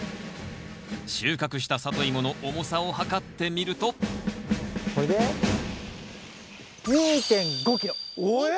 収穫したサトイモの重さを測ってみるとこれでおよっ？